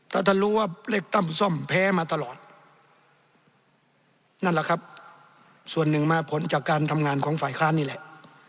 ถ้าท่านรู้ว่าเลขตั้มซ่อมแพ้มาตลอดนั่นแหละครับส่วนหนึ่งมาผลจากการทำงานของฝ่ายค้านนี่แหละ